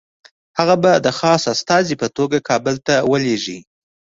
هغه به د خاص استازي په توګه کابل ته ولېږي.